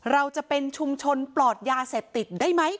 เราจะเป็นชุมชนปลอดยาเสพติดได้ไหม